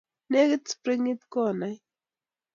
Nekit springit konait